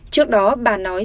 trước đó bà nói